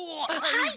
はい！